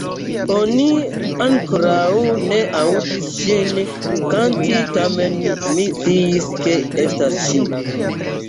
Oni ankoraŭ ne aŭdis ŝin kanti tamen mi sciis ke estas ŝi".